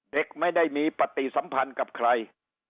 เด็กไม่ได้มีปฏิสัมพันธ์กับใคร